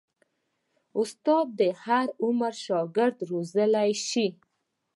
استاد د هر عمر شاګرد روزلی شي.